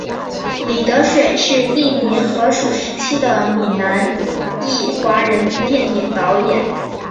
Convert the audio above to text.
李德水是印尼荷属时期的闽南裔华人电影导演。